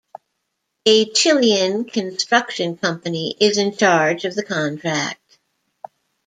A Chilean construction company is in charge of the contract.